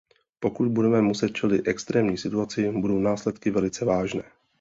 Pokud budeme muset čelit extrémní situaci, budou následky velice vážné.